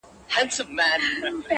قلم د زلفو يې د هر چا زنده گي ورانوي،